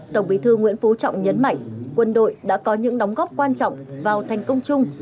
tổng bí thư nguyễn phú trọng nhấn mạnh quân đội đã có những đóng góp quan trọng vào thành công chung